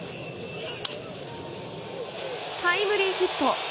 タイムリーヒット！